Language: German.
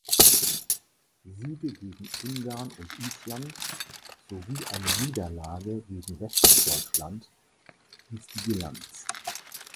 Siege gegen Ungarn und Island sowie eine Niederlage gegen Westdeutschland hieß die Bilanz.